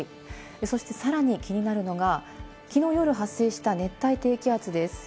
そして、さらに気になるのがきのう夜に発生した熱帯低気圧です。